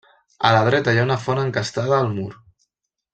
A la dreta hi ha una font encastada al mur.